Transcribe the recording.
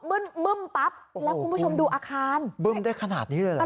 บึ้มปั๊บแล้วคุณผู้ชมดูอาคารบึ้มได้ขนาดนี้เลยเหรอ